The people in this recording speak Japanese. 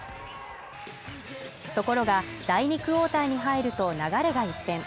ところが、第２クオーターに入ると、流れが一変。